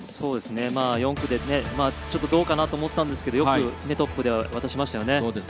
４区で、ちょっとどうかなと思ったんですがトップで渡しましたよね。